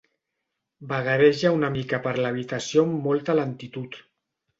Vagareja una mica per l'habitació amb molta lentitud.